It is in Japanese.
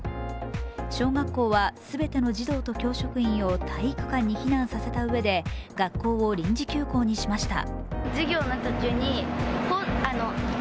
小学校は全ての児童と教職員を体育館に避難させたうえで学校を臨時休校にしました。